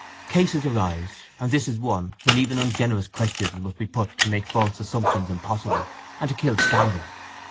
"Cases arise, and this is one, when even ungenerous questions must be put to make false assumptions impossible, and to kill scandal."